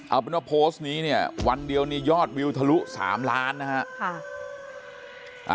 เอาเป็นว่าโพสต์นี้เนี่ยวันเดียวนี่ยอดวิวทะลุ๓ล้านนะฮะ